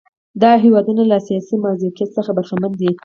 دا هېوادونه له سیاسي مرکزیت څخه برخمن دي.